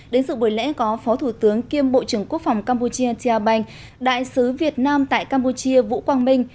đến sự buổi lễ có phó thủ tướng kiêm bộ trưởng quốc phòng campuchia tia banh đại sứ việt nam tại campuchia vũ quang minh